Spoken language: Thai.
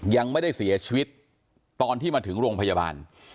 ยังไม่ได้เสียชีวิตตอนที่มาถึงโรงพยาบาล